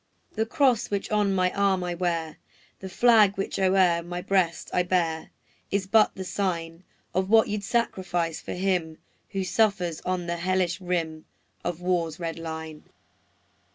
The cross which on my arm I wear, The flag which o'er my breast I bear, Is but the sign Of what you 'd sacrifice for him Who suffers on the hellish rim Of war's red line.